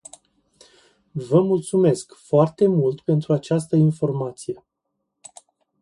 Vă mulțumesc foarte mult pentru această informație.